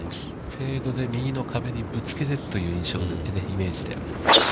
フェードで右の壁にぶつけてというイメージで。